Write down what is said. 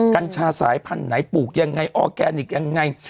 กัญชาสายพันธุ์ไหนปลูกยังไงออร์แกนิคยังไง